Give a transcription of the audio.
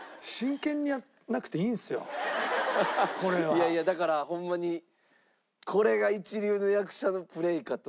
いやいやだからホンマにこれが一流の役者のプレーかと。